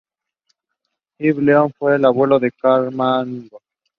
Heribert de Laon, fue el abuelo de Carlomagno.